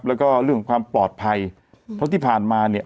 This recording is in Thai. แล้วก็เรื่องความปลอดภัยเพราะที่ผ่านมาเนี่ย